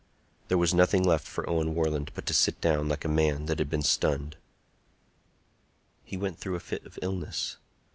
There was nothing left for Owen Warland but to sit down like a man that had been stunned. He went through a fit of illness.